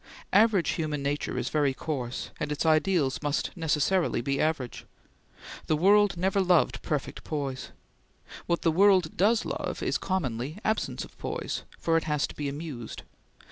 Average human nature is very coarse, and its ideals must necessarily be average. The world never loved perfect poise. What the world does love is commonly absence of poise, for it has to be amused.